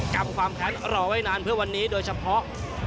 กรรมความแค้นรอไว้นานเพื่อวันนี้โดยเฉพาะ